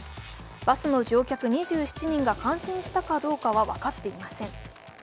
バスの乗客２７人が感染したかどうかは分かっていません。